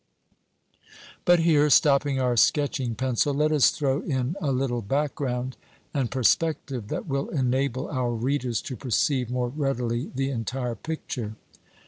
But here, stopping our sketching pencil, let us throw in a little background and perspective that will enable our readers to perceive more readily the entire picture.